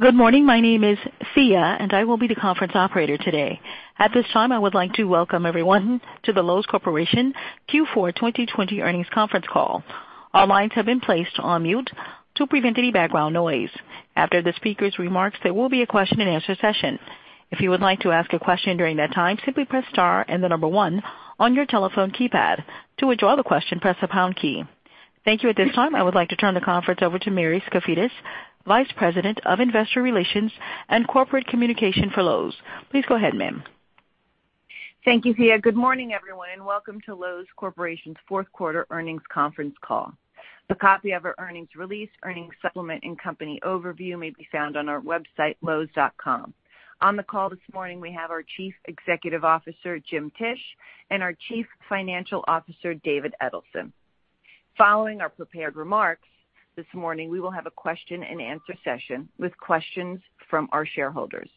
Good morning. My name is Thea, and I will be the conference operator today. At this time, I would like to welcome everyone to the Loews Corporation Q4 2020 earnings conference call. All lines have been placed on mute to prevent any background noise. After the speakers' remarks, there will be a question-and-answer session. If you would like to ask a question during that time, simply press star and the number one on your telephone keypad. To withdraw the question, press the pound key. Thank you. At this time, I would like to turn the conference over to Mary Skafidas, Vice President of Investor Relations and Corporate Communication for Loews. Please go ahead, ma'am. Thank you, Thea. Good morning, everyone, and welcome to Loews Corporation's Q4 earnings conference call. A copy of our earnings release, earnings supplement, and company overview may be found on our website, loews.com. On the call this morning, we have our Chief Executive Officer, Jim Tisch, and our Chief Financial Officer, David Edelson. Following our prepared remarks this morning, we will have a question-and-answer session with questions from our shareholders.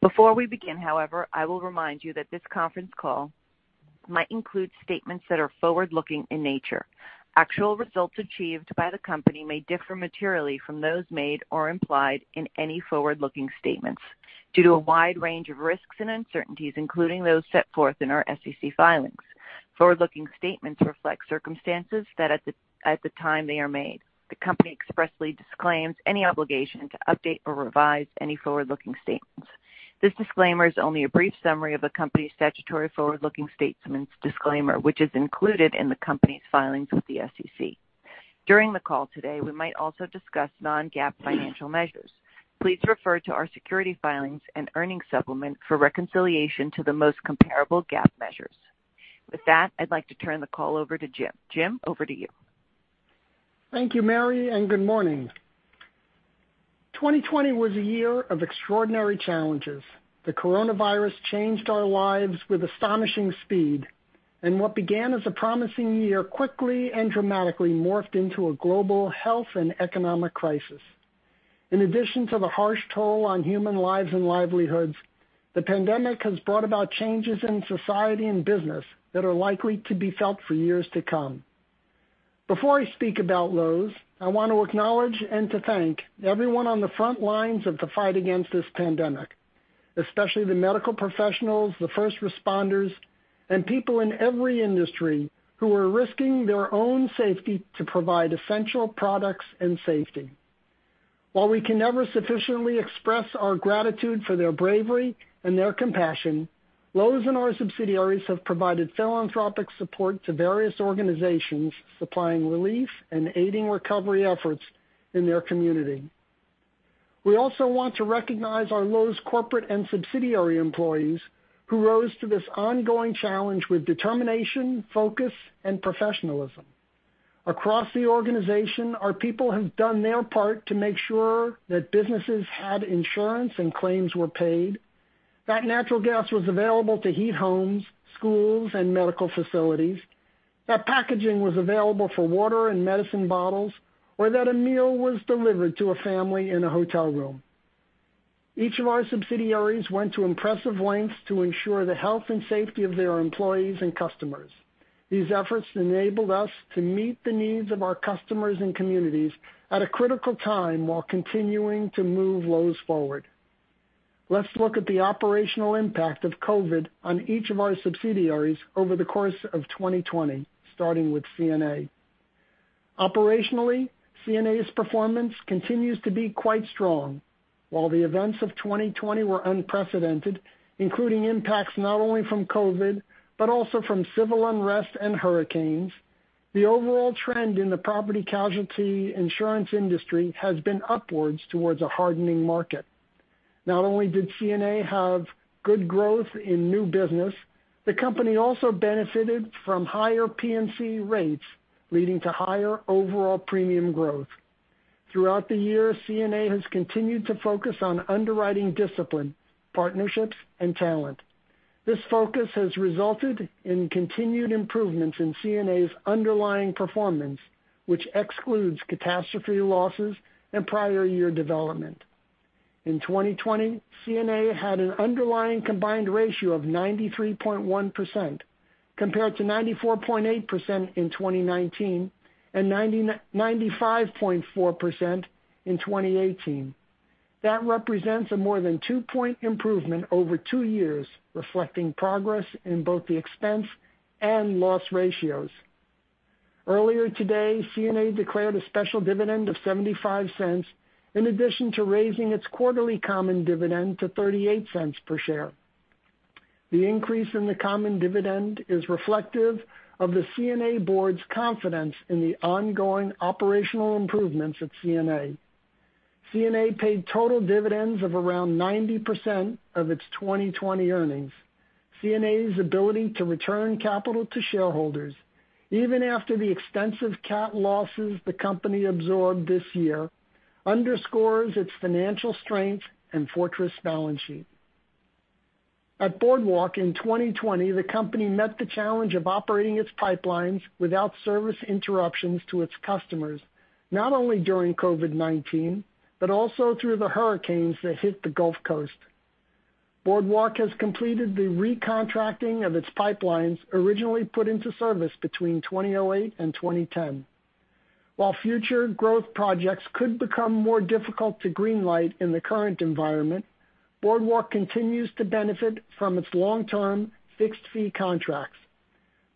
Before we begin, however, I will remind you that this conference call might include statements that are forward-looking in nature. Actual results achieved by the company may differ materially from those made or implied in any forward-looking statements due to a wide range of risks and uncertainties, including those set forth in our SEC filings. Forward-looking statements reflect circumstances at the time they are made. The company expressly disclaims any obligation to update or revise any forward-looking statements. This disclaimer is only a brief summary of the company's statutory forward-looking statements disclaimer, which is included in the company's filings with the SEC. During the call today, we might also discuss non-GAAP financial measures. Please refer to our security filings and earnings supplement for reconciliation to the most comparable GAAP measures. With that, I'd like to turn the call over to Jim. Jim, over to you. Thank you, Mary. Good morning. 2020 was a year of extraordinary challenges. The coronavirus changed our lives with astonishing speed. What began as a promising year quickly and dramatically morphed into a global health and economic crisis. In addition to the harsh toll on human lives and livelihoods, the pandemic has brought about changes in society and business that are likely to be felt for years to come. Before I speak about Loews, I want to acknowledge and to thank everyone on the front lines of the fight against this pandemic, especially the medical professionals, the first responders, and people in every industry who are risking their own safety to provide essential products and safety. While we can never sufficiently express our gratitude for their bravery and their compassion, Loews and our subsidiaries have provided philanthropic support to various organizations supplying relief and aiding recovery efforts in their community. We also want to recognize our Loews corporate and subsidiary employees who rose to this ongoing challenge with determination, focus, and professionalism. Across the organization, our people have done their part to make sure that businesses had insurance and claims were paid, that natural gas was available to heat homes, schools, and medical facilities, that packaging was available for water and medicine bottles, or that a meal was delivered to a family in a hotel room. Each of our subsidiaries went to impressive lengths to ensure the health and safety of their employees and customers. These efforts enabled us to meet the needs of our customers and communities at a critical time while continuing to move Loews forward. Let's look at the operational impact of COVID on each of our subsidiaries over the course of 2020, starting with CNA. Operationally, CNA's performance continues to be quite strong. While the events of 2020 were unprecedented, including impacts not only from COVID but also from civil unrest and hurricanes, the overall trend in the property casualty insurance industry has been upwards towards a hardening market. Not only did CNA have good growth in new business, the company also benefited from higher P&C rates, leading to higher overall premium growth. Throughout the year, CNA has continued to focus on underwriting discipline, partnerships, and talent. This focus has resulted in continued improvements in CNA's underlying performance, which excludes catastrophe losses and prior year development. In 2020, CNA had an underlying combined ratio of 93.1%, compared to 94.8% in 2019 and 95.4% in 2018. That represents a more than two-point improvement over two years, reflecting progress in both the expense and loss ratios. Earlier today, CNA declared a special dividend of $0.75 in addition to raising its quarterly common dividend to $0.38 per share. The increase in the common dividend is reflective of the CNA board's confidence in the ongoing operational improvements at CNA. CNA paid total dividends of around 90% of its 2020 earnings. CNA's ability to return capital to shareholders, even after the extensive cat losses the company absorbed this year, underscores its financial strength and fortress balance sheet. At Boardwalk in 2020, the company met the challenge of operating its pipelines without service interruptions to its customers, not only during COVID-19 but also through the hurricanes that hit the Gulf Coast. Boardwalk has completed the re-contracting of its pipelines originally put into service between 2008 and 2010. While future growth projects could become more difficult to green-light in the current environment, Boardwalk continues to benefit from its long-term fixed-fee contracts.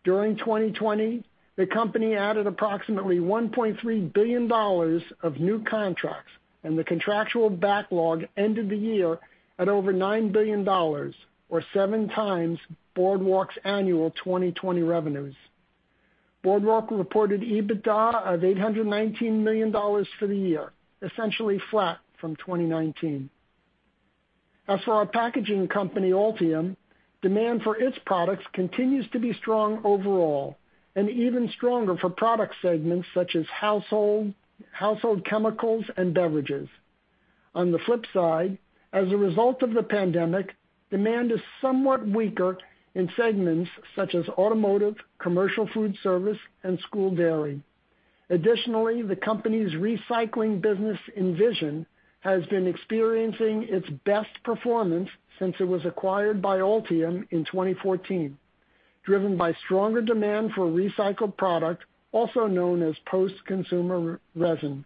During 2020, the company added approximately $1.3 billion of new contracts, and the contractual backlog ended the year at over $9 billion, or seven times Boardwalk's annual 2020 revenues. Boardwalk reported EBITDA of $819 million for the year, essentially flat from 2019. As for our packaging company, Altium, demand for its products continues to be strong overall and even stronger for product segments such as household chemicals and beverages. On the flip side, as a result of the pandemic, demand is somewhat weaker in segments such as automotive, commercial food service, and school dairy. Additionally, the company's recycling business, Envision, has been experiencing its best performance since it was acquired by Altium in 2014, driven by stronger demand for recycled product, also known as post-consumer resin.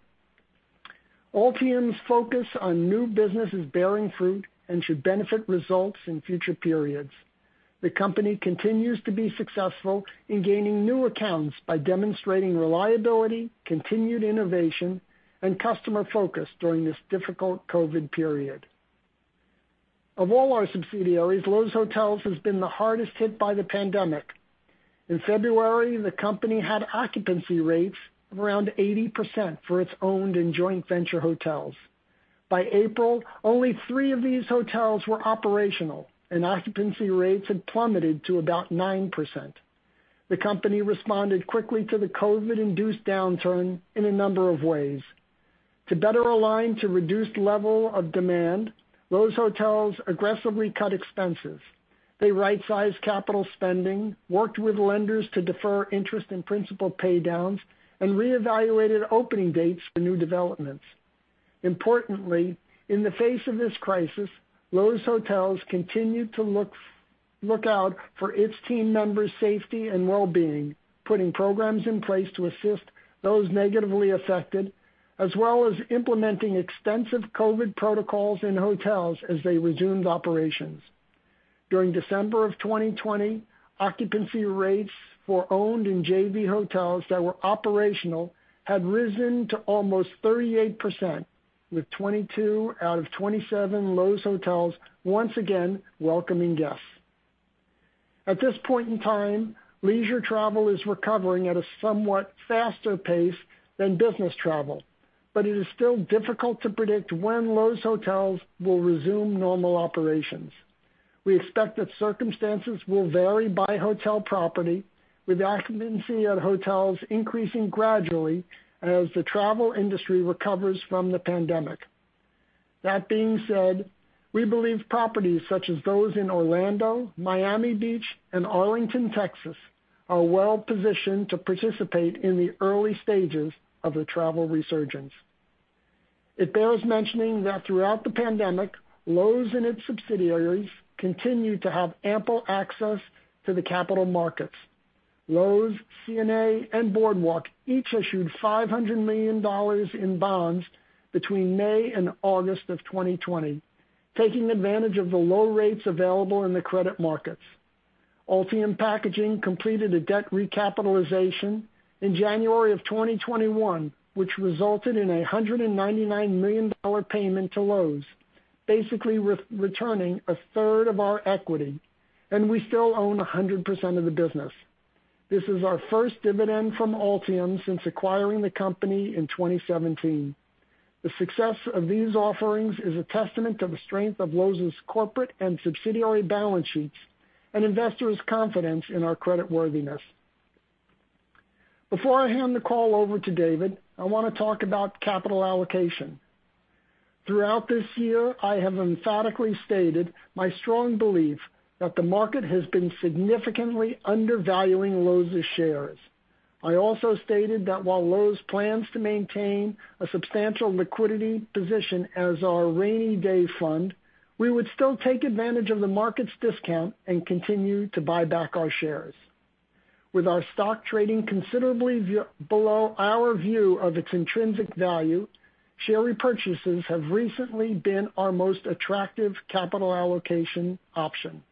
Altium's focus on new business is bearing fruit and should benefit results in future periods. The company continues to be successful in gaining new accounts by demonstrating reliability, continued innovation, and customer focus during this difficult COVID period. Of all our subsidiaries, Loews Hotels has been the hardest hit by the pandemic. In February, the company had occupancy rates of around 80% for its owned and joint venture hotels. By April, only three of these hotels were operational, and occupancy rates had plummeted to about 9%. The company responded quickly to the COVID-induced downturn in a number of ways. To better align to reduced level of demand, Loews Hotels aggressively cut expenses. They right-sized capital spending, worked with lenders to defer interest and principal paydowns, and reevaluated opening dates for new developments. Importantly, in the face of this crisis, Loews Hotels continued to look out for its team members' safety and wellbeing, putting programs in place to assist those negatively affected, as well as implementing extensive COVID protocols in hotels as they resumed operations. During December of 2020, occupancy rates for owned and JV hotels that were operational had risen to almost 38%, with 22 out of 27 Loews Hotels once again welcoming guests. At this point in time, leisure travel is recovering at a somewhat faster pace than business travel, but it is still difficult to predict when Loews Hotels will resume normal operations. We expect that circumstances will vary by hotel property, with occupancy at hotels increasing gradually as the travel industry recovers from the pandemic. That being said, we believe properties such as those in Orlando, Miami Beach, and Arlington, Texas, are well-positioned to participate in the early stages of the travel resurgence. It bears mentioning that throughout the pandemic, Loews and its subsidiaries continued to have ample access to the capital markets. Loews, CNA, and Boardwalk each issued $500 million in bonds between May and August of 2020, taking advantage of the low rates available in the credit markets. Altium Packaging completed a debt recapitalization in January of 2021, which resulted in a $199 million payment to Loews, basically returning a third of our equity, and we still own 100% of the business. This is our first dividend from Altium since acquiring the company in 2017. The success of these offerings is a testament to the strength of Loews' corporate and subsidiary balance sheets and investors' confidence in our creditworthiness. Before I hand the call over to David, I want to talk about capital allocation. Throughout this year, I have emphatically stated my strong belief that the market has been significantly undervaluing Loews' shares. I also stated that while Loews plans to maintain a substantial liquidity position as our rainy day fund, we would still take advantage of the market's discount and continue to buy back our shares. With our stock trading considerably below our view of its intrinsic value, share repurchases have recently been our most attractive capital allocation option.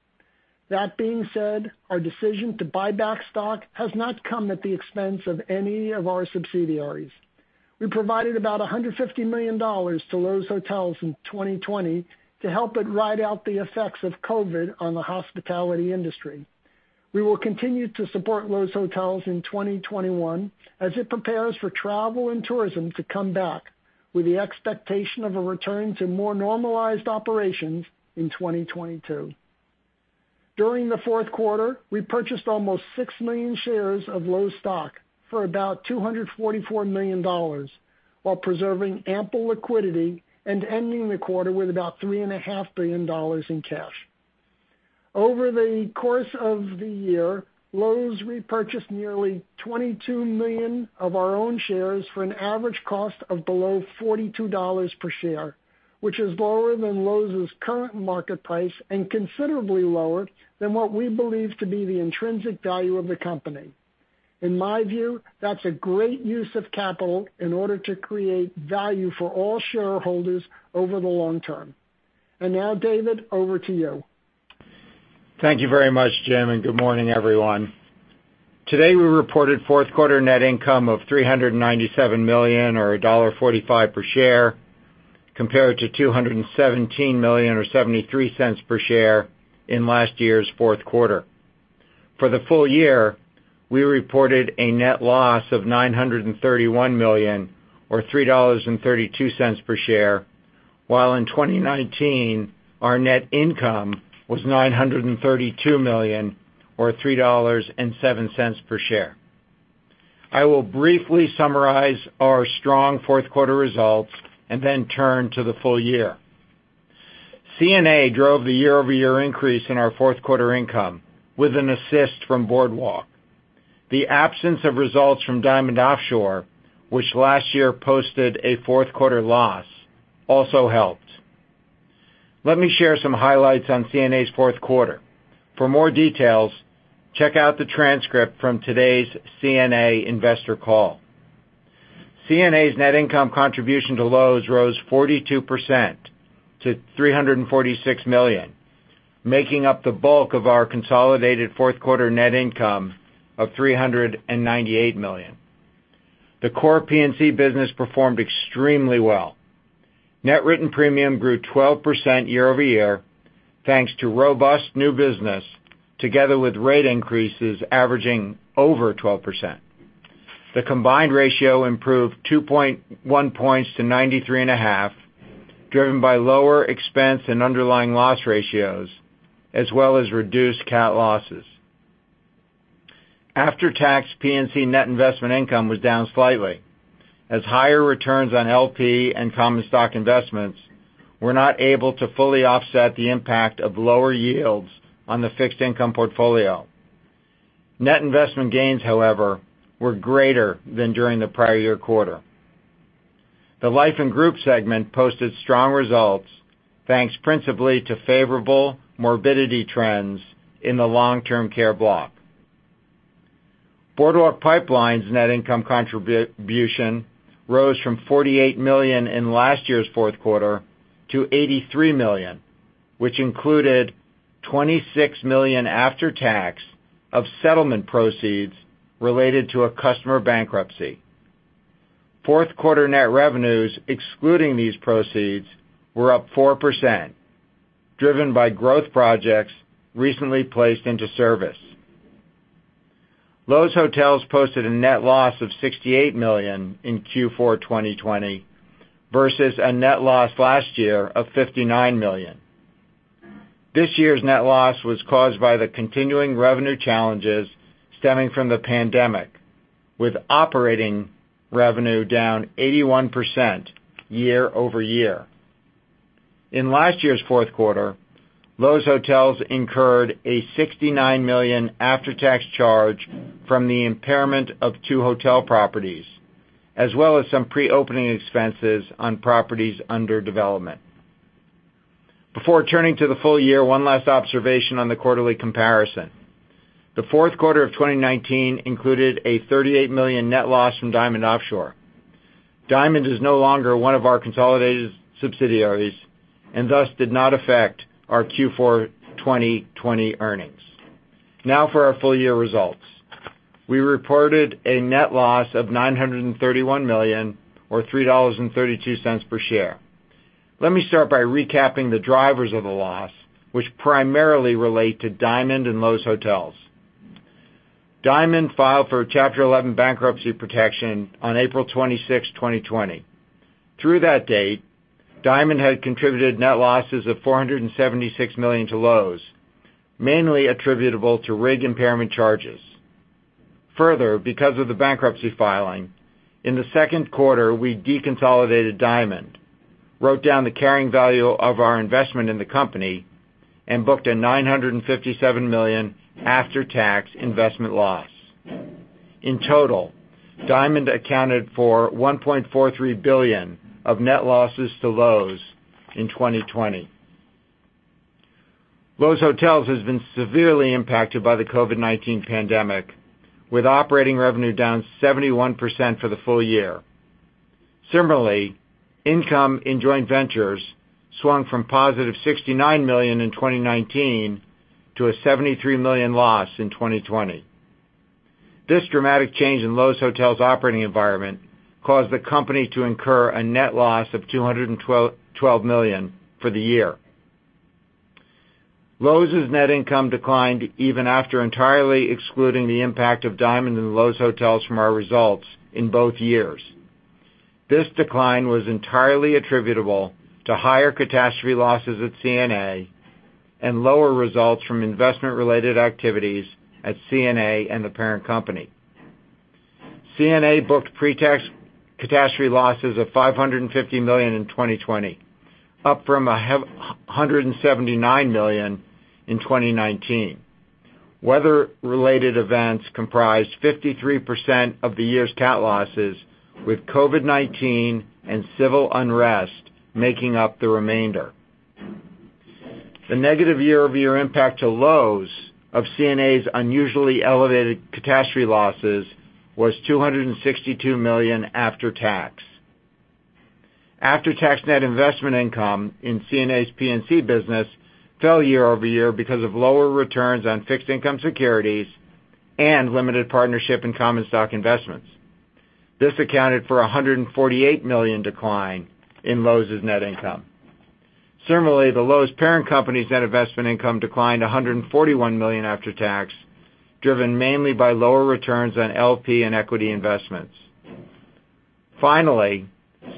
That being said, our decision to buy back stock has not come at the expense of any of our subsidiaries. We provided about $150 million to Loews Hotels in 2020 to help it ride out the effects of COVID on the hospitality industry. We will continue to support Loews Hotels in 2021 as it prepares for travel and tourism to come back, with the expectation of a return to more normalized operations in 2022. During the fourth quarter, we purchased almost 6 million shares of Loews stock for about $244 million while preserving ample liquidity and ending the quarter with about $3.5 billion in cash. Over the course of the year, Loews repurchased nearly 22 million of our own shares for an average cost of below $42 per share, which is lower than Loews' current market price and considerably lower than what we believe to be the intrinsic value of the company. In my view, that's a great use of capital in order to create value for all shareholders over the long term. Now, David, over to you. Thank you very much, Jim, and good morning, everyone. Today we reported Q4 net income of $397 million, or $1.45 per share, compared to $217 million or $0.73 per share in last year's Q4. For the full year, we reported a net loss of $931 million, or $3.32 per share, while in 2019, our net income was $932 million, or $3.07 per share. I will briefly summarize our strong Q4 results and then turn to the full year. CNA drove the year-over-year increase in our Q4 income with an assist from Boardwalk. The absence of results from Diamond Offshore, which last year posted a Q4 loss, also helped. Let me share some highlights on CNA's Q4. For more details, check out the transcript from today's CNA investor call. CNA's net income contribution to Loews rose 42% to $346 million, making up the bulk of our consolidated fourth quarter net income of $398 million. The core P&C business performed extremely well. Net written premium grew 12% year-over-year, thanks to robust new business together with rate increases averaging over 12%. The combined ratio improved 2.1 points to 93.5, driven by lower expense and underlying loss ratios, as well as reduced cat losses. After-tax P&C net investment income was down slightly as higher returns on LP and common stock investments were not able to fully offset the impact of lower yields on the fixed income portfolio. Net investment gains, however, were greater than during the prior year quarter. The life and group segment posted strong results, thanks principally to favorable morbidity trends in the long-term care block. Boardwalk Pipeline's net income contribution rose from $48 million in last year's Q4 to $83 million, which included $26 million after tax of settlement proceeds related to a customer bankruptcy. Q4 net revenues excluding these proceeds were up 4%, driven by growth projects recently placed into service. Loews Hotels posted a net loss of $68 million in Q4 2020 versus a net loss last year of $59 million. This year's net loss was caused by the continuing revenue challenges stemming from the pandemic, with operating revenue down 81% year-over-year. In last year's fourth quarter, Loews Hotels incurred a $69 million after-tax charge from the impairment of two hotel properties, as well as some preopening expenses on properties under development. Before turning to the full year, one last observation on the quarterly comparison. The fourth quarter of 2019 included a $38 million net loss from Diamond Offshore. Diamond is no longer one of our consolidated subsidiaries and thus did not affect our Q4 2020 earnings. For our full year results. We reported a net loss of $931 million or $3.32 per share. Let me start by recapping the drivers of the loss, which primarily relate to Diamond and Loews Hotels. Diamond filed for Chapter 11 bankruptcy protection on April 26th, 2020. Through that date, Diamond had contributed net losses of $476 million to Loews, mainly attributable to rig impairment charges. Because of the bankruptcy filing, in the second quarter, we deconsolidated Diamond, wrote down the carrying value of our investment in the company, and booked a $957 million after-tax investment loss. In total, Diamond accounted for $1.43 billion of net losses to Loews in 2020. Loews Hotels has been severely impacted by the COVID-19 pandemic, with operating revenue down 71% for the full year. Similarly, income in joint ventures swung from positive $69 million in 2019 to a $73 million loss in 2020. This dramatic change in Loews Hotels' operating environment caused the company to incur a net loss of $212 million for the year. Loews' net income declined even after entirely excluding the impact of Diamond and Loews Hotels from our results in both years. This decline was entirely attributable to higher catastrophe losses at CNA and lower results from investment-related activities at CNA and the parent company. CNA booked pre-tax catastrophe losses of $550 million in 2020, up from $179 million in 2019. Weather-related events comprised 53% of the year's cat losses, with COVID-19 and civil unrest making up the remainder. The negative year-over-year impact to Loews of CNA's unusually elevated catastrophe losses was $262 million after tax. After-tax net investment income in CNA's P&C business fell year-over-year because of lower returns on fixed income securities and limited partnership and common stock investments. This accounted for a $148 million decline in Loews' net income. Similarly, the Loews parent company's net investment income declined $141 million after tax, driven mainly by lower returns on LP and equity investments. Finally,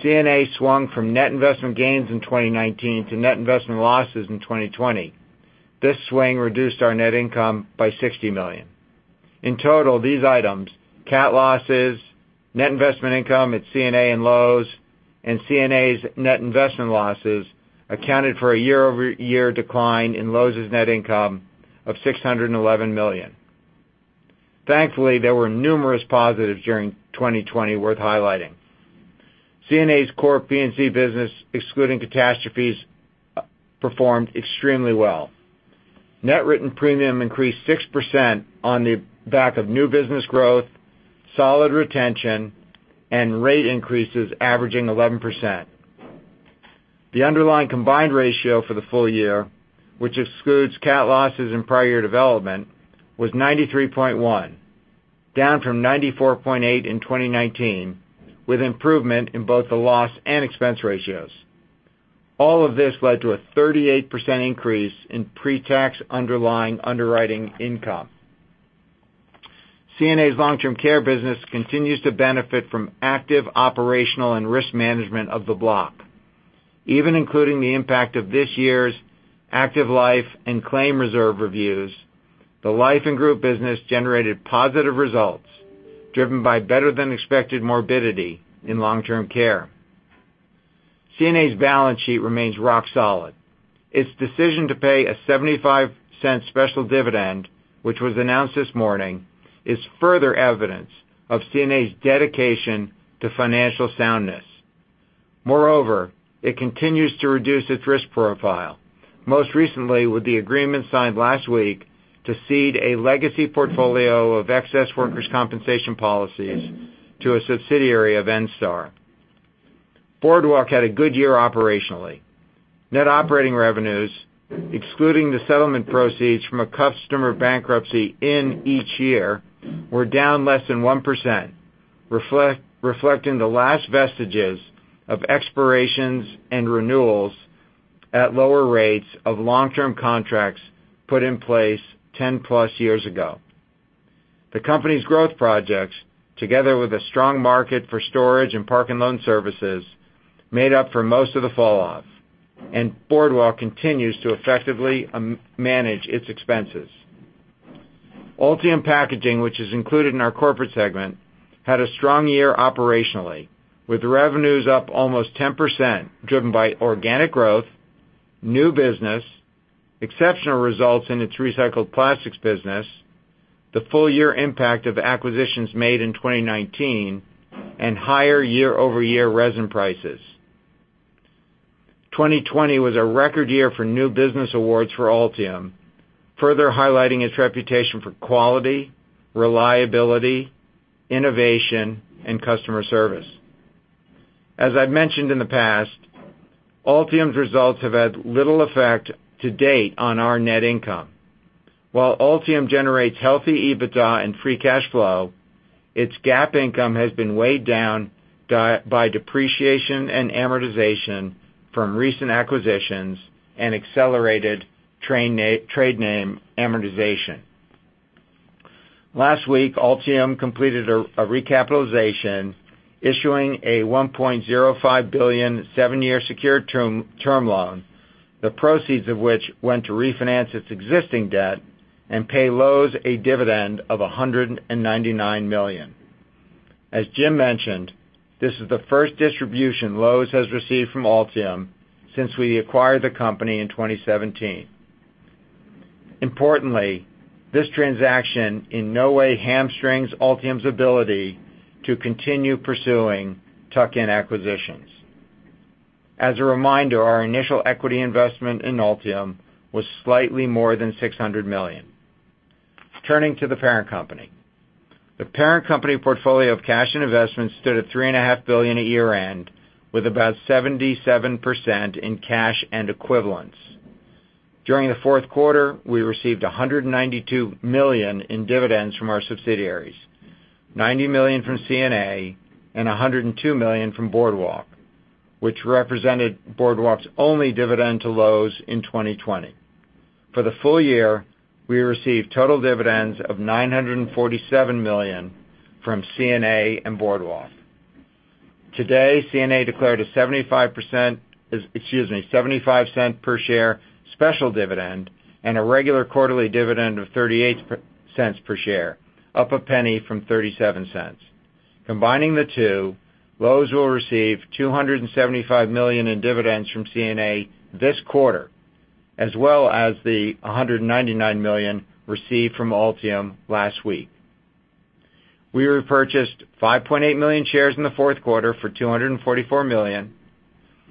CNA swung from net investment gains in 2019 to net investment losses in 2020. This swing reduced our net income by $60 million. In total, these items, cat losses, net investment income at CNA and Loews, and CNA's net investment losses, accounted for a year-over-year decline in Loews' net income of $611 million. Thankfully, there were numerous positives during 2020 worth highlighting. CNA's core P&C business, excluding catastrophes, performed extremely well. Net written premium increased 6% on the back of new business growth, solid retention, and rate increases averaging 11%. The underlying combined ratio for the full year, which excludes cat losses and prior year development, was 93.1, down from 94.8 in 2019, with improvement in both the loss and expense ratios. All of this led to a 38% increase in pre-tax underlying underwriting income. CNA's long-term care business continues to benefit from active operational and risk management of the block. Even including the impact of this year's active life and claim reserve reviews, the life and group business generated positive results driven by better than expected morbidity in long-term care. CNA's balance sheet remains rock solid. Its decision to pay a $0.75 special dividend, which was announced this morning, is further evidence of CNA's dedication to financial soundness. Moreover, it continues to reduce its risk profile, most recently with the agreement signed last week to cede a legacy portfolio of excess workers' compensation policies to a subsidiary of Enstar. Boardwalk had a good year operationally. Net operating revenues, excluding the settlement proceeds from a customer bankruptcy in each year, were down less than 1%, reflecting the last vestiges of expirations and renewals at lower rates of long-term contracts put in place 10 plus years ago. The company's growth projects, together with a strong market for storage and park and loan services, made up for most of the falloff, and Boardwalk continues to effectively manage its expenses. Altium Packaging, which is included in our corporate segment, had a strong year operationally, with revenues up almost 10%, driven by organic growth, new business, exceptional results in its recycled plastics business, the full-year impact of acquisitions made in 2019, and higher year-over-year resin prices. 2020 was a record year for new business awards for Altium, further highlighting its reputation for quality, reliability, innovation, and customer service. As I've mentioned in the past, Altium's results have had little effect to date on our net income. While Altium generates healthy EBITDA and free cash flow, its GAAP income has been weighed down by depreciation and amortization from recent acquisitions and accelerated trade name amortization. Last week, Altium completed a recapitalization issuing a $1.05 billion seven-year secured term loan, the proceeds of which went to refinance its existing debt and pay Loews a dividend of $199 million. As Jim mentioned, this is the first distribution Loews has received from Altium since we acquired the company in 2017. Importantly, this transaction in no way hamstrings Altium's ability to continue pursuing tuck-in acquisitions. As a reminder, our initial equity investment in Altium was slightly more than $600 million. Turning to the parent company. The parent company portfolio of cash and investments stood at $3.5 billion at year-end, with about 77% in cash and equivalents. During the Q4, we received $192 million in dividends from our subsidiaries, $90 million from CNA and $102 million from Boardwalk, which represented Boardwalk's only dividend to Loews in 2020. For the full year, we received total dividends of $947 million from CNA and Boardwalk. Today, CNA declared a $0.75 per share special dividend and a regular quarterly dividend of $0.38 per share, up $0.01 from $0.37. Combining the two, Loews will receive $275 million in dividends from CNA this quarter, as well as the $199 million received from Altium last week. We repurchased 5.8 million shares in the Q4 for $244 million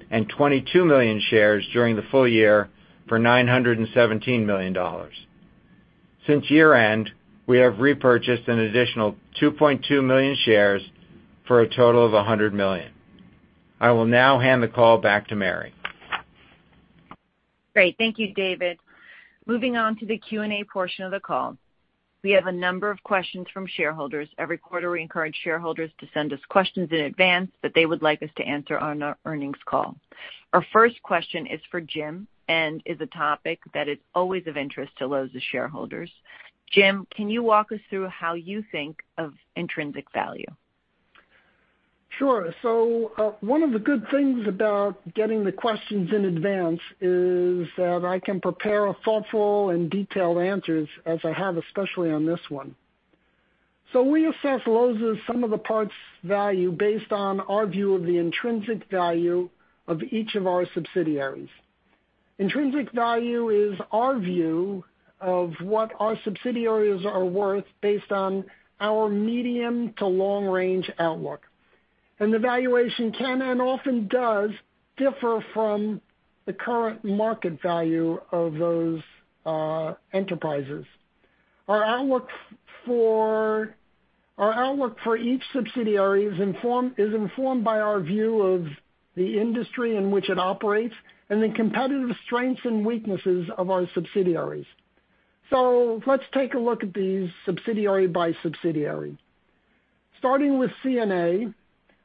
and 22 million shares during the full year for $917 million. Since year-end, we have repurchased an additional 2.2 million shares for a total of $100 million. I will now hand the call back to Mary. Great. Thank you, David. Moving on to the Q&A portion of the call. We have a number of questions from shareholders. Every quarter, we encourage shareholders to send us questions in advance that they would like us to answer on our earnings call. Our first question is for Jim and is a topic that is always of interest to Loews' shareholders. Jim, can you walk us through how you think of intrinsic value? Sure. One of the good things about getting the questions in advance is that I can prepare thoughtful and detailed answers as I have, especially on this one. We assess Loews as the sum of the parts value based on our view of the intrinsic value of each of our subsidiaries. Intrinsic value is our view of what our subsidiaries are worth based on our medium to long range outlook. The valuation can and often does differ from the current market value of those enterprises. Our outlook for each subsidiary is informed by our view of the industry in which it operates and the competitive strengths and weaknesses of our subsidiaries. Let's take a look at these subsidiary by subsidiary. Starting with CNA,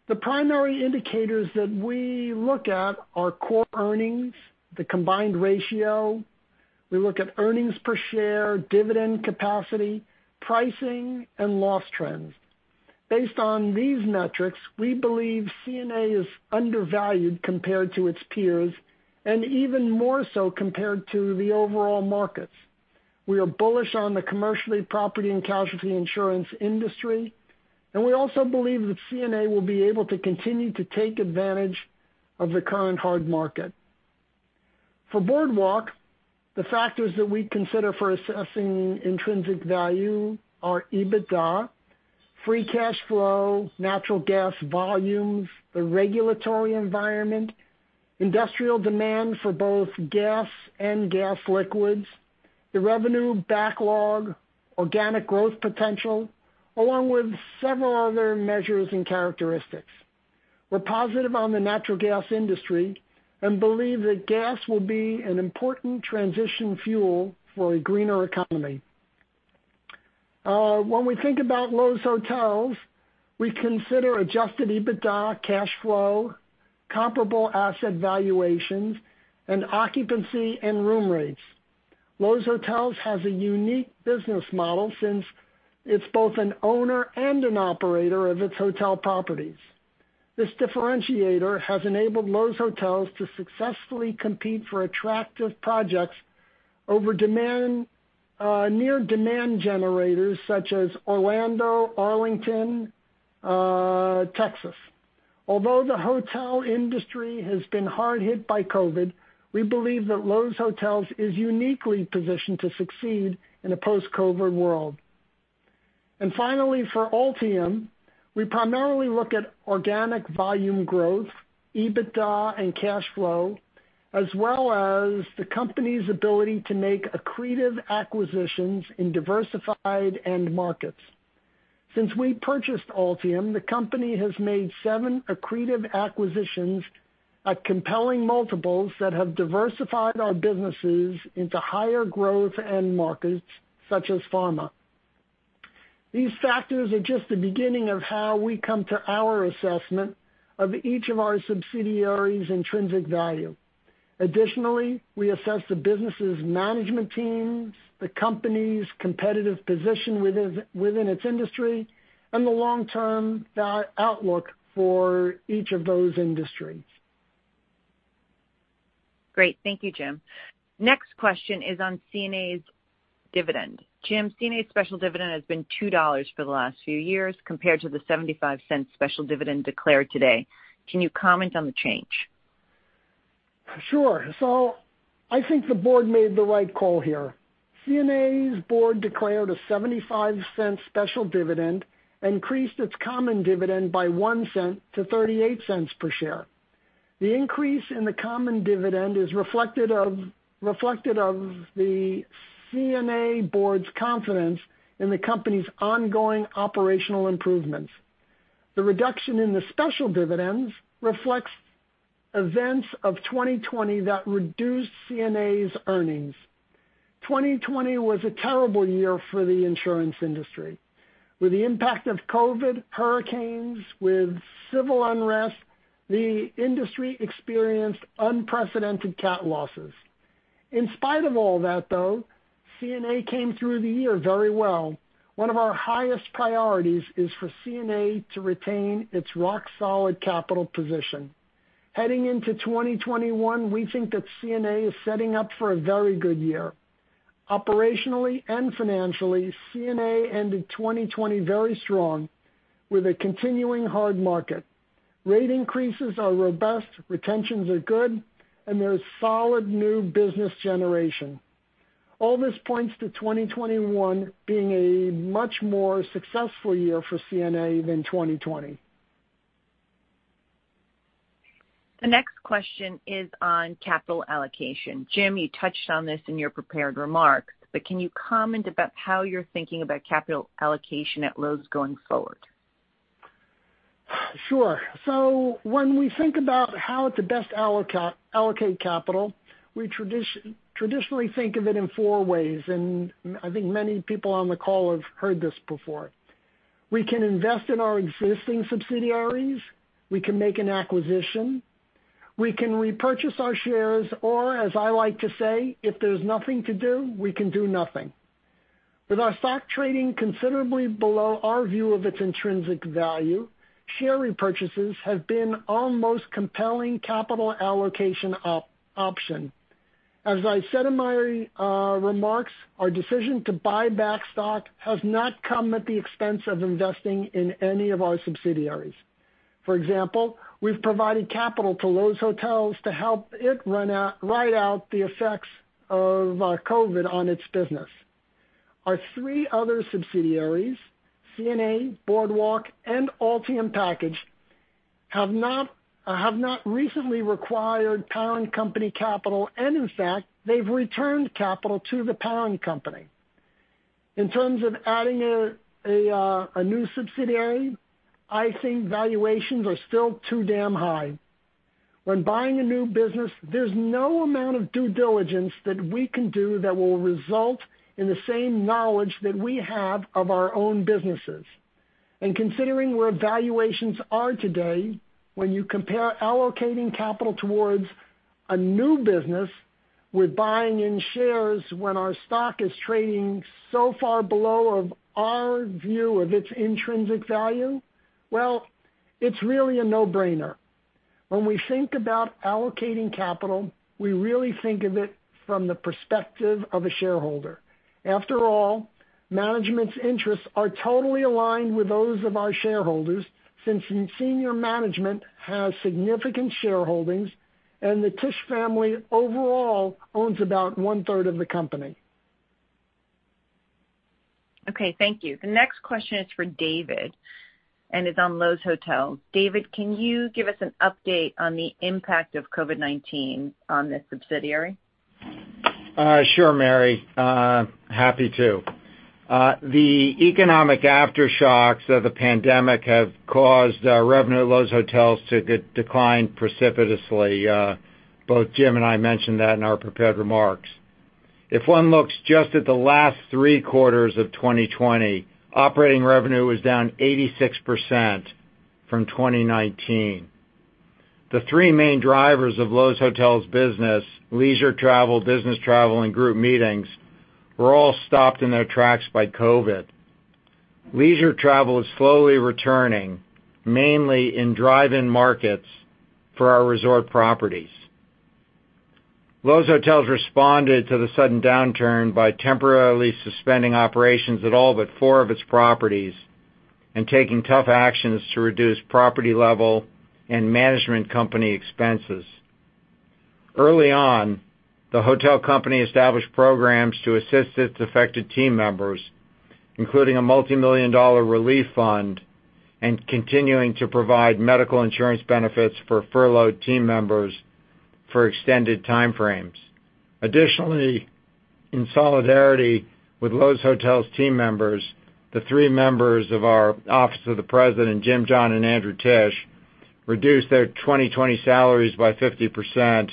the primary indicators that we look at are core earnings, the combined ratio. We look at earnings per share, dividend capacity, pricing, and loss trends. Based on these metrics, we believe CNA is undervalued compared to its peers and even more so compared to the overall markets. We are bullish on the commercial property and casualty insurance industry, and we also believe that CNA will be able to continue to take advantage of the current hard market. For Boardwalk, the factors that we consider for assessing intrinsic value are EBITDA, free cash flow, natural gas volumes, the regulatory environment, industrial demand for both gas and gas liquids, the revenue backlog, organic growth potential, along with several other measures and characteristics. We're positive on the natural gas industry and believe that gas will be an important transition fuel for a greener economy. When we think about Loews Hotels, we consider adjusted EBITDA, cash flow, comparable asset valuations, and occupancy and room rates. Loews Hotels has a unique business model since it's both an owner and an operator of its hotel properties. This differentiator has enabled Loews Hotels to successfully compete for attractive projects over near demand generators such as Orlando, Arlington, Texas. Although the hotel industry has been hard hit by COVID, we believe that Loews Hotels is uniquely positioned to succeed in a post-COVID world. Finally, for Altium, we primarily look at organic volume growth, EBITDA, and cash flow, as well as the company's ability to make accretive acquisitions in diversified end markets. Since we purchased Altium, the company has made seven accretive acquisitions at compelling multiples that have diversified our businesses into higher growth end markets such as pharma. These factors are just the beginning of how we come to our assessment of each of our subsidiaries' intrinsic value. Additionally, we assess the business' management teams, the company's competitive position within its industry, and the long-term outlook for each of those industries. Great. Thank you, Jim. Next question is on CNA's dividend. Jim, CNA's special dividend has been $2 for the last few years compared to the $0.75 special dividend declared today. Can you comment on the change? I think the Board made the right call here. CNA's Board declared a $0.75 special dividend, increased its common dividend by $0.01 - $0.38 per share. The increase in the common dividend is reflective of the CNA Board's confidence in the company's ongoing operational improvements. The reduction in the special dividends reflects events of 2020 that reduced CNA's earnings. 2020 was a terrible year for the insurance industry. With the impact of COVID, hurricanes, with civil unrest, the industry experienced unprecedented cat losses. In spite of all that though, CNA came through the year very well. One of our highest priorities is for CNA to retain its rock-solid capital position. Heading into 2021, we think that CNA is setting up for a very good year. Operationally and financially, CNA ended 2020 very strong with a continuing hard market. Rate increases are robust, retentions are good, and there is solid new business generation. All this points to 2021 being a much more successful year for CNA than 2020. The next question is on capital allocation. Jim, you touched on this in your prepared remarks, but can you comment about how you're thinking about capital allocation at Loews going forward? Sure. When we think about how to best allocate capital, we traditionally think of it in four ways, and I think many people on the call have heard this before. We can invest in our existing subsidiaries, we can make an acquisition, we can repurchase our shares, or, as I like to say, if there's nothing to do, we can do nothing. With our stock trading considerably below our view of its intrinsic value, share repurchases have been our most compelling capital allocation option. As I said in my remarks, our decision to buy back stock has not come at the expense of investing in any of our subsidiaries. For example, we've provided capital to Loews Hotels to help it ride out the effects of COVID on its business. Our three other subsidiaries, CNA, Boardwalk, and Altium Packaging, have not recently required parent company capital. In fact, they've returned capital to the parent company. In terms of adding a new subsidiary, I think valuations are still too damn high. When buying a new business, there's no amount of due diligence that we can do that will result in the same knowledge that we have of our own businesses. Considering where valuations are today, when you compare allocating capital towards a new business with buying in shares when our stock is trading so far below of our view of its intrinsic value, well, it's really a no-brainer. When we think about allocating capital, we really think of it from the perspective of a shareholder. After all, management's interests are totally aligned with those of our shareholders, since senior management has significant shareholdings and the Tisch family overall owns about one-third of the company. Okay, thank you. The next question is for David. It's on Loews Hotels. David, can you give us an update on the impact of COVID-19 on this subsidiary? Sure, Mary. Happy to. The economic aftershocks of the pandemic have caused revenue at Loews Hotels to decline precipitously. Both Jim and I mentioned that in our prepared remarks. If one looks just at the last three quarters of 2020, operating revenue was down 86% from 2019. The three main drivers of Loews Hotels business, leisure travel, business travel, and group meetings, were all stopped in their tracks by COVID. Leisure travel is slowly returning, mainly in drive-in markets for our resort properties. Loews Hotels responded to the sudden downturn by temporarily suspending operations at all but four of its properties and taking tough actions to reduce property-level and management company expenses. Early on, the hotel company established programs to assist its affected team members, including a multimillion-dollar relief fund, and continuing to provide medical insurance benefits for furloughed team members for extended time frames. In solidarity with Loews Hotels team members, the three members of our Office of the President, Jim, John, and Andrew Tisch, reduced their 2020 salaries by 50%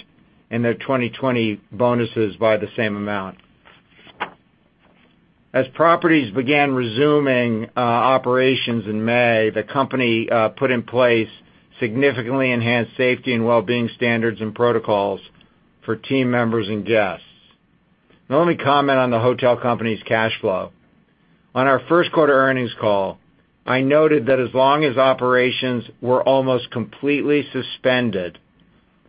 and their 2020 bonuses by the same amount. As properties began resuming operations in May, the company put in place significantly enhanced safety and wellbeing standards and protocols for team members and guests. Let me comment on the hotel company's cash flow. On our first quarter earnings call, I noted that as long as operations were almost completely suspended,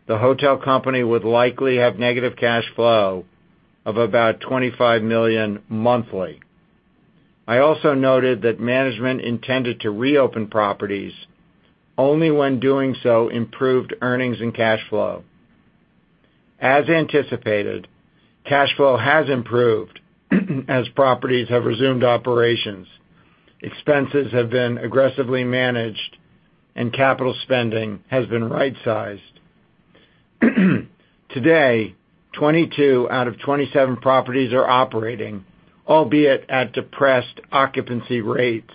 the hotel company would likely have negative cash flow of about $25 million monthly. I also noted that management intended to reopen properties only when doing so improved earnings and cash flow. As anticipated, cash flow has improved as properties have resumed operations. Expenses have been aggressively managed and capital spending has been right-sized. Today, 22 out of 27 properties are operating, albeit at depressed occupancy rates.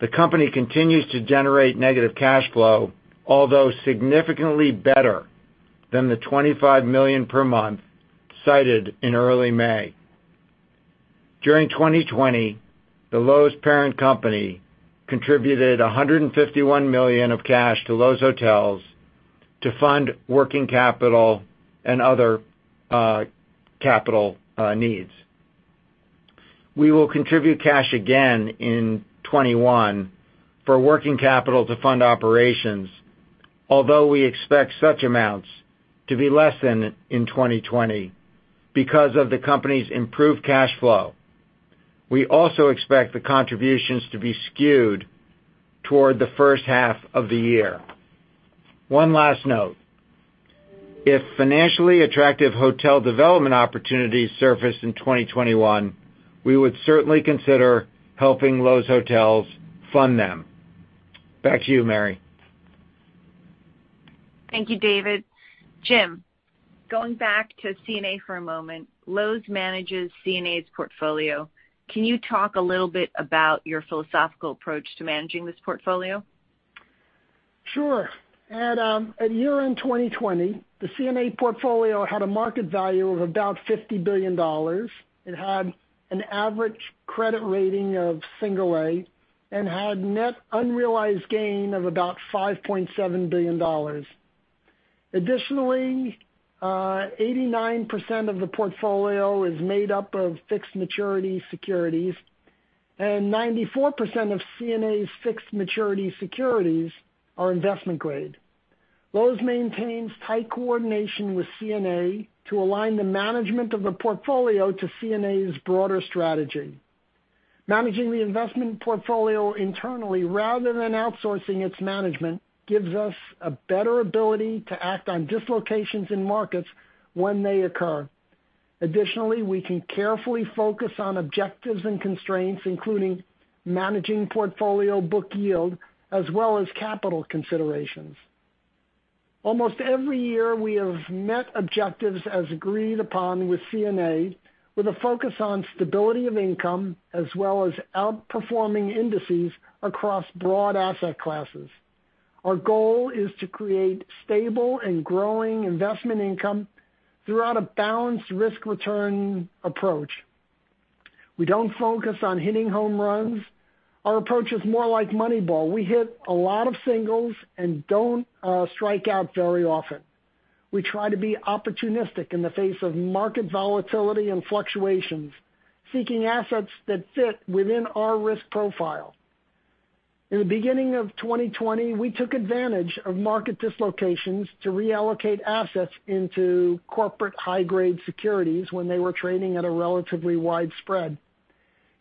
The company continues to generate negative cash flow, although significantly better than the $25 million per month cited in early May. During 2020, the Loews parent company contributed $151 million of cash to Loews Hotels to fund working capital and other capital needs. We will contribute cash again in 2021 for working capital to fund operations, although we expect such amounts to be less than in 2020 because of the company's improved cash flow. We also expect the contributions to be skewed toward the H1 of the year. One last note. If financially attractive hotel development opportunities surface in 2021, we would certainly consider helping Loews Hotels fund them. Back to you, Mary. Thank you, David. Jim, going back to CNA for a moment, Loews manages CNA's portfolio. Can you talk a little bit about your philosophical approach to managing this portfolio? Sure. At year-end 2020, the CNA portfolio had a market value of about $50 billion. It had an average credit rating of single A and had net unrealized gain of about $5.7 billion. Additionally, 89% of the portfolio is made up of fixed maturity securities, and 94% of CNA's fixed maturity securities are investment grade. Loews maintains tight coordination with CNA to align the management of the portfolio to CNA's broader strategy. Managing the investment portfolio internally rather than outsourcing its management gives us a better ability to act on dislocations in markets when they occur. Additionally, we can carefully focus on objectives and constraints, including managing portfolio book yield as well as capital considerations. Almost every year, we have met objectives as agreed upon with CNA with a focus on stability of income as well as outperforming indices across broad asset classes. Our goal is to create stable and growing investment income throughout a balanced risk-return approach. We don't focus on hitting home runs. Our approach is more like Moneyball. We hit a lot of singles and don't strike out very often. We try to be opportunistic in the face of market volatility and fluctuations, seeking assets that fit within our risk profile. In the beginning of 2020, we took advantage of market dislocations to reallocate assets into corporate high-grade securities when they were trading at a relatively wide spread.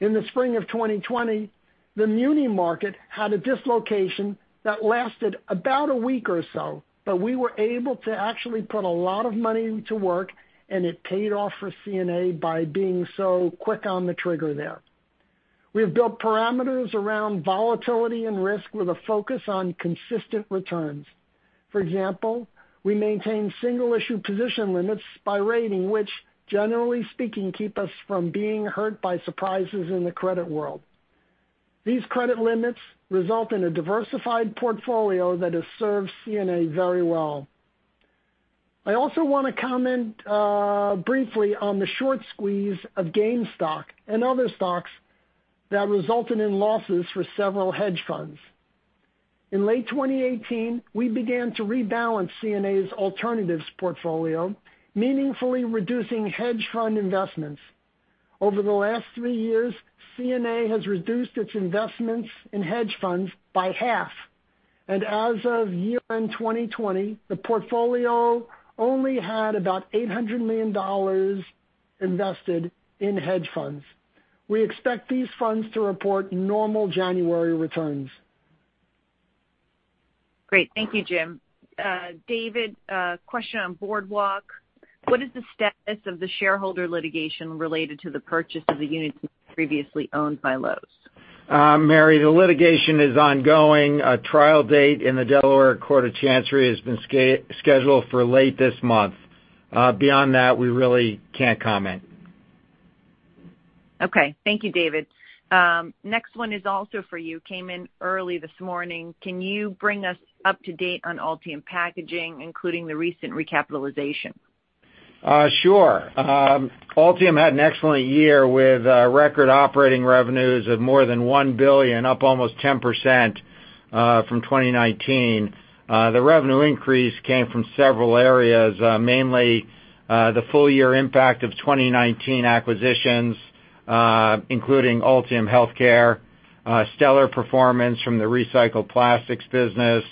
In the spring of 2020, the muni market had a dislocation that lasted about a week or so. We were able to actually put a lot of money to work, and it paid off for CNA by being so quick on the trigger there. We have built parameters around volatility and risk with a focus on consistent returns. For example, we maintain single issue position limits by rating, which, generally speaking, keep us from being hurt by surprises in the credit world. These credit limits result in a diversified portfolio that has served CNA very well. I also want to comment briefly on the short squeeze of GameStop and other stocks that resulted in losses for several hedge funds. In late 2018, we began to rebalance CNA's alternatives portfolio, meaningfully reducing hedge fund investments. Over the last three years, CNA has reduced its investments in hedge funds by half, and as of year-end 2020, the portfolio only had about $800 million invested in hedge funds. We expect these funds to report normal January returns. Great. Thank you, Jim. David, a question on Boardwalk. What is the status of the shareholder litigation related to the purchase of the units previously owned by Loews? Mary, the litigation is ongoing. A trial date in the Delaware Court of Chancery has been scheduled for late this month. Beyond that, we really can't comment. Okay. Thank you, David. Next one is also for you, came in early this morning. Can you bring us up to date on Altium Packaging, including the recent recapitalization? Sure. Altium had an excellent year with record operating revenues of more than $1 billion, up almost 10% from 2019. The revenue increase came from several areas, mainly the full year impact of 2019 acquisitions, including Altium Healthcare, stellar performance from the recycled plastics business,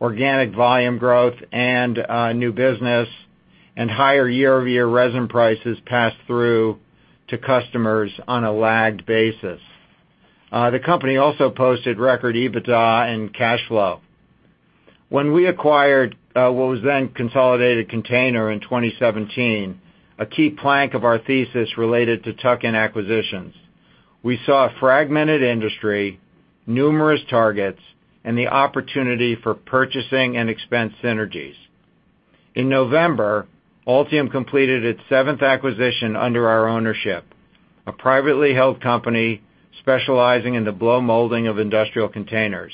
organic volume growth and new business, and higher year-over-year resin prices passed through to customers on a lagged basis. The company also posted record EBITDA and cash flow. When we acquired what was then Consolidated Container in 2017, a key plank of our thesis related to tuck-in acquisitions. We saw a fragmented industry, numerous targets, and the opportunity for purchasing and expense synergies. In November, Altium completed its seventh acquisition under our ownership, a privately held company specializing in the blow molding of industrial containers.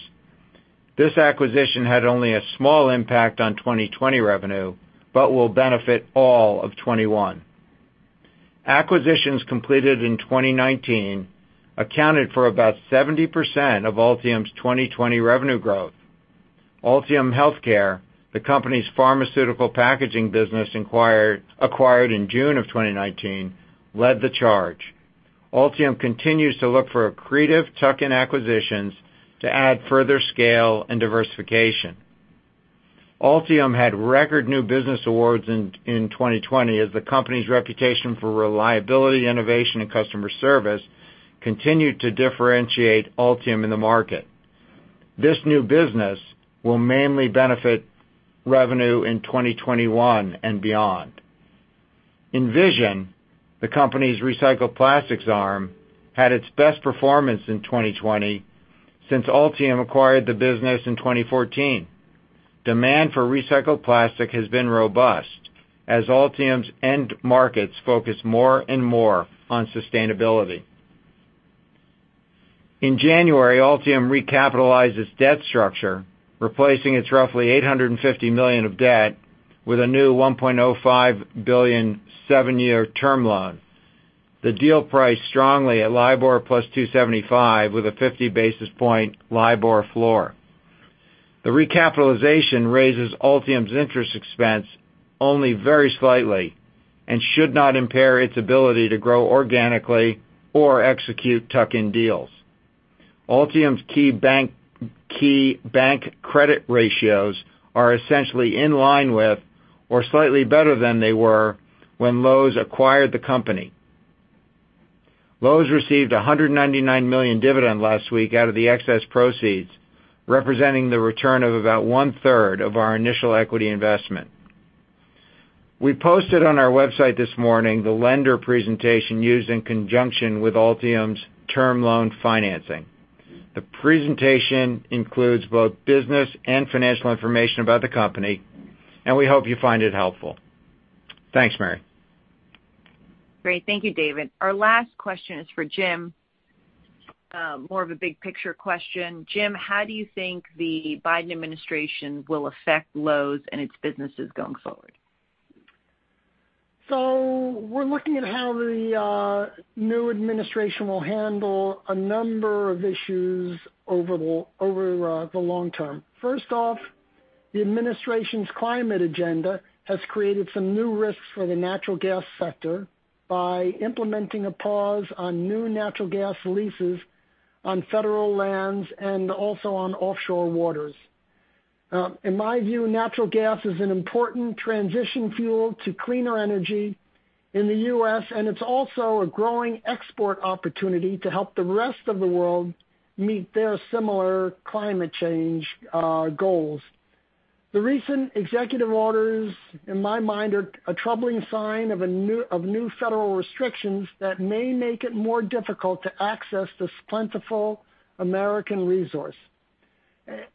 This acquisition had only a small impact on 2020 revenue, but will benefit all of 2021. Acquisitions completed in 2019 accounted for about 70% of Altium's 2020 revenue growth. Altium Healthcare, the company's pharmaceutical packaging business acquired in June of 2019, led the charge. Altium continues to look for accretive tuck-in acquisitions to add further scale and diversification. Altium had record new business awards in 2020 as the company's reputation for reliability, innovation, and customer service continued to differentiate Altium in the market. This new business will mainly benefit revenue in 2021 and beyond. Envision, the company's recycled plastics arm, had its best performance in 2020 since Altium acquired the business in 2014. Demand for recycled plastic has been robust as Altium's end markets focus more and more on sustainability. In January, Altium recapitalized its debt structure, replacing its roughly $850 million of debt with a new $1.05 billion seven-year term loan. The deal priced strongly at LIBOR plus 275 with a 50 basis point LIBOR floor. The recapitalization raises Altium's interest expense only very slightly and should not impair its ability to grow organically or execute tuck-in deals. Altium's key bank credit ratios are essentially in line with, or slightly better than they were when Loews acquired the company. Loews received $199 million dividend last week out of the excess proceeds, representing the return of about one-third of our initial equity investment. We posted on our website this morning the lender presentation used in conjunction with Altium's term loan financing. The presentation includes both business and financial information about the company, and we hope you find it helpful. Thanks, Mary. Great. Thank you, David. Our last question is for Jim. More of a big picture question. Jim, how do you think the Biden administration will affect Loews and its businesses going forward? We're looking at how the new administration will handle a number of issues over the long term. First off, the administration's climate agenda has created some new risks for the natural gas sector by implementing a pause on new natural gas leases on federal lands and also on offshore waters. In my view, natural gas is an important transition fuel to cleaner energy in the U.S., and it's also a growing export opportunity to help the rest of the world meet their similar climate change goals. The recent executive orders, in my mind, are a troubling sign of new federal restrictions that may make it more difficult to access this plentiful American resource.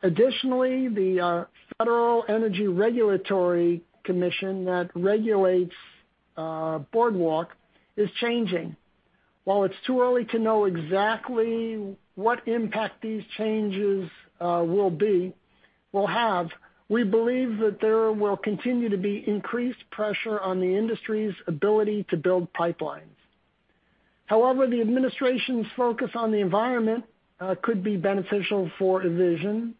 Additionally, the Federal Energy Regulatory Commission that regulates Boardwalk is changing. While it's too early to know exactly what impact these changes will have, we believe that there will continue to be increased pressure on the industry's ability to build pipelines. However, the administration's focus on the environment could be beneficial for Envision,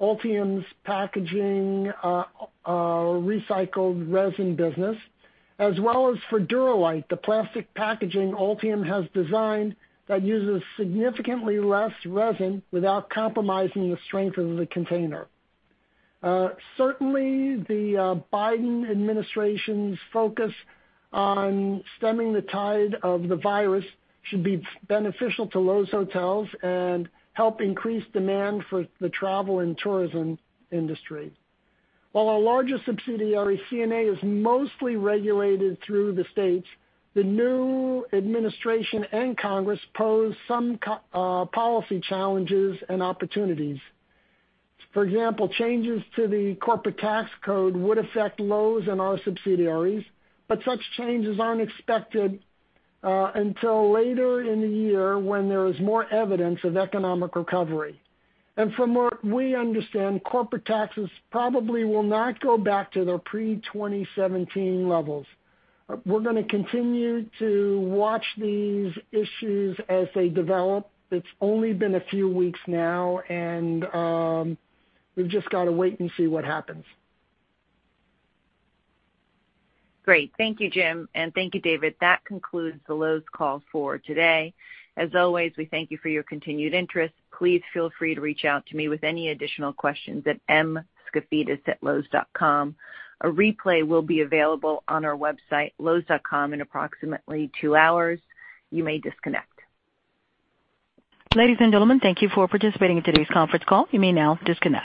Altium's packaging recycled resin business, as well as for Dura-Lite, the plastic packaging Altium has designed that uses significantly less resin without compromising the strength of the container. Certainly, the Biden administration's focus on stemming the tide of the virus should be beneficial to Loews Hotels and help increase demand for the travel and tourism industry. While our largest subsidiary, CNA, is mostly regulated through the states, the new administration and Congress pose some policy challenges and opportunities. For example, changes to the corporate tax code would affect Loews and our subsidiaries, but such changes aren't expected until later in the year when there is more evidence of economic recovery. From what we understand, corporate taxes probably will not go back to their pre-2017 levels. We're gonna continue to watch these issues as they develop. It's only been a few weeks now, we've just got to wait and see what happens. Great. Thank you, Jim, and thank you, David. That concludes the Loews call for today. As always, we thank you for your continued interest. Please feel free to reach out to me with any additional questions at mskafidas@loews.com. A replay will be available on our website, loews.com in approximately two hours. You may disconnect. Ladies and gentlemen, thank you for participating in today's conference call. You may now disconnect.